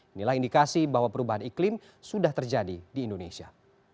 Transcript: inilah indikasi bahwa perubahan iklim sudah terjadi di indonesia